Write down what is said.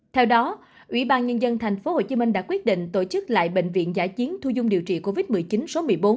theo đó ubnd tp hcm đã quyết định tổ chức lại bệnh viện giá chiến thu dung điều trị covid một mươi chín số một mươi bốn